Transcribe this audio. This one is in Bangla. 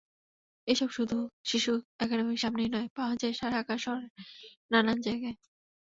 এসব শুধু শিশু একাডেমীর সামনেই নয়, পাওয়া যায় ঢাকা শহরের নানা জায়গায়।